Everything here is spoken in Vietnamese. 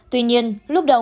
tuy nhiên lúc đầu